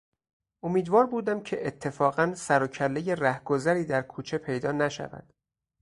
امیدوار بودم که اتفاقا سر و کله رهگذری در کوچه پیدا نشود.